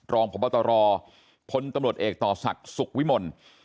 รองพบตรพลตำรวจเอกต่อศักดิ์สุขวิมล